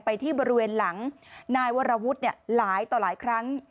ไปที่บริเวณหลังนายวรวุฒิหลายต่อหลายครั้ง